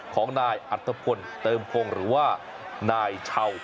ของนายอัตภพลเติมพงศ์หรือว่านายเช่า